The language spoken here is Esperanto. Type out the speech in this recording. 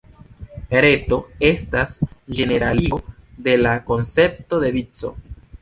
Reto estas ĝeneraligo de la koncepto de vico.